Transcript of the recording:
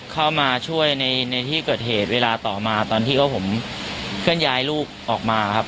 เข้ามาช่วยในที่เกิดเหตุเวลาต่อมาตอนที่ผมเคลื่อนย้ายลูกออกมาครับ